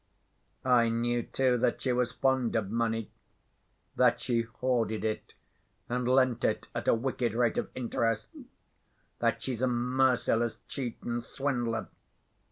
I knew, too, that she was fond of money, that she hoarded it, and lent it at a wicked rate of interest, that she's a merciless cheat and swindler.